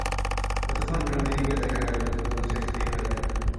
যতক্ষণ বিনোদিনীকে দেখা গেল, ততক্ষণ সে স্থির হইয়া থাকিল।